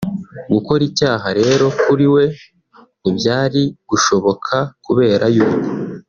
Gukora icyaha rero kuri we ntibyari gushoboka kubera yuko